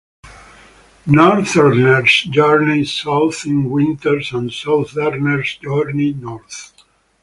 Northerners journey south in winter and Southerners journey north.